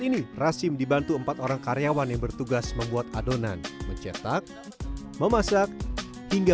ini rasim dibantu empat orang karyawan yang bertugas membuat adonan mencetak memasak hingga